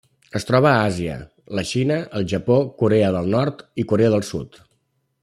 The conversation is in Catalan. Es troba a Àsia: la Xina, el Japó, Corea del Nord i Corea del Sud.